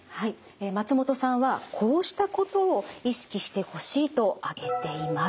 松本さんはこうしたことを意識してほしいと挙げています。